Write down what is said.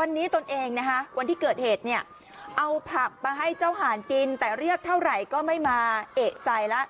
วันนี้ตนเองนะคะวันที่เกิดเหตุเนี่ยเอาผักมาให้เจ้าห่านกินแต่เรียกเท่าไหร่ก็ไม่มาเอกใจแล้ว